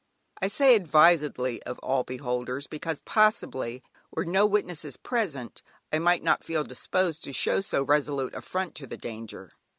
I say advisedly "of all beholders," because, possibly, were no witnesses present, I might not feel disposed to show so resolute a front to the danger!